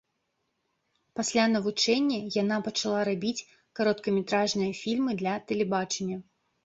Пасля навучання яна пачала рабіць кароткаметражныя фільмы для тэлебачання.